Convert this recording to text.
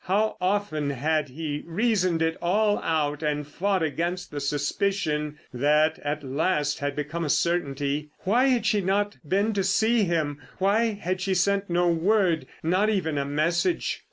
How often had he reasoned it all out and fought against the suspicion that at last had become a certainty. Why had she not been to see him? Why had she sent no word, not even a message?